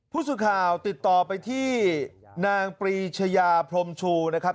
ผู้สื่อข่าวติดต่อไปที่นางปรีชยาพรมชูนะครับ